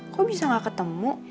kok bisa gak ketemu